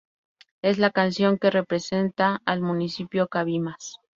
Es la canción que representa al municipio Cabimas.